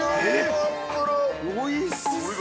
◆おいしそう！